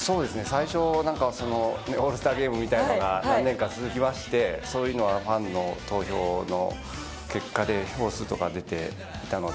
最初なんかそのオールスターゲームみたいなのが何年か続きましてそういうのがファンの投票の結果で票数とかが出ていたので。